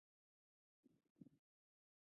ګاز د افغانانو د ګټورتیا برخه ده.